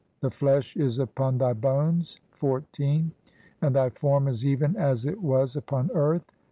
The flesh is upon "thy bones, (14) and thy form is even as it was upon "earth.